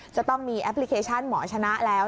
จะต้องมีแอปพลิเคชันหมอชนะแล้ว